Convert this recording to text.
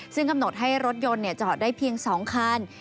ซึ่งกำหนดให้รถยนต์จอดได้เพียง๒คัน